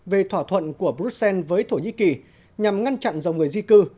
về thỏa thuận của bruxelles với thổ nhĩ kỳ nhằm ngăn chặn dòng người di cư